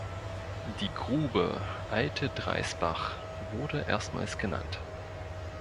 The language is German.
Die Grube "Alte Dreisbach" wurde erstmals genannt.